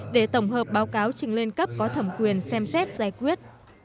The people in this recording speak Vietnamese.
để tổng hợp báo cáo trình lên cấp có thẩm quyền xem xét giải quyết